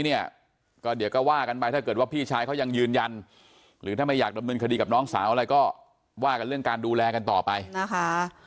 เนี่ยก็เดี๋ยวก็ว่ากันไปถ้าเกิดว่าพี่ชายเขายังยืนยันหรือถ้าไม่อยากดำเนินคดีกับน้องสาวอะไรก็ว่ากันเรื่องการดูแลกันต่อไปนะคะ